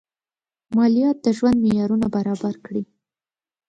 مالیات د ژوند معیارونه برابر کړي.